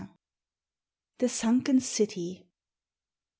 THE SUNKEN CITY.